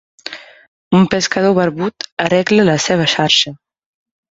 Un pescador barbut arregla la seva xarxa.